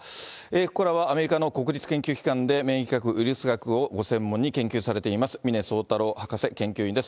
ここからはアメリカの国立研究機関で、免疫学、ウイルス学をご専門に研究されています、峰宗太郎博士研究員です。